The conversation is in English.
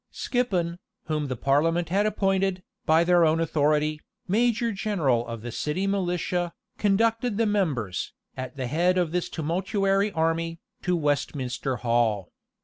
Skippon, whom the parliament had appointed, by their own authority, major general of the city militia,[*] conducted the members, at the head of this tumultuary army, to Westminster Hall.